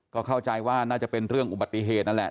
ก็เข้าใจว่าน่าจะเป็นเรื่องอุบัติเหตุนั่นแหละ